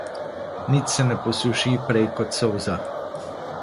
Nič se ne posuši prej kot solza.